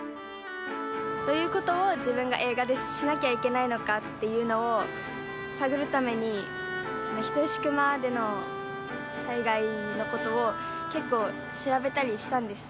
どういうことを自分が映画でしなきゃいけないのかっていうのを探るために、人吉球磨での災害のことを、結構調べたりしたんです。